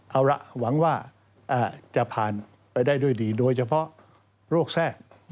เอาละหวังว่าจะผ่านไปได้ด้วยดีโดยเฉพาะโรคแทรก